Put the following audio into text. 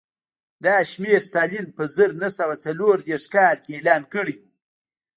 دا شمېر ستالین په زر نه سوه څلور دېرش کال کې اعلان کړی و